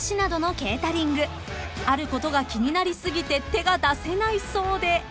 ［あることが気になりすぎて手が出せないそうで］